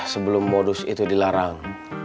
sebelum modus itu dilarang